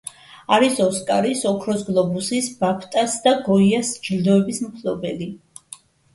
არის ოსკარის, ოქროს გლობუსის, ბაფტას და გოიას ჯილდოების მფლობელი.